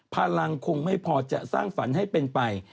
พลังคงไม่พอจะสร้างฝันให้เป็นไป